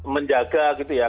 menjaga gitu ya